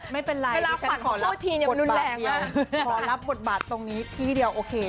ไม่เป็นไรที่ฉันขอรับบทบัตรตรงนี้ทีเดียวโอเค